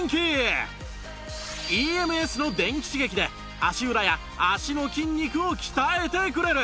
ＥＭＳ の電気刺激で足裏や足の筋肉を鍛えてくれる